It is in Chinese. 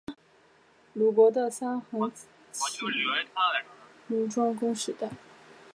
鲁国的三桓起于鲁庄公时代。